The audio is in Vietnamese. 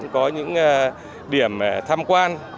có những điểm tham quan